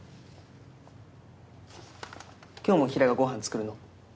今日も平良がご飯作るの？